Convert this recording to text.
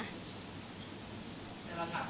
แต่เราถามอย่างไร